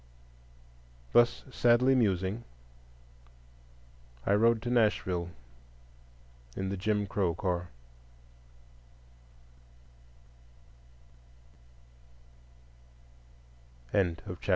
Thus sadly musing, I rode to Nashville in the Jim Crow car.